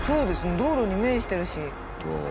道路に面してるし。